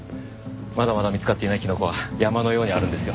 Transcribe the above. まだまだ見つかっていないキノコは山のようにあるんですよ。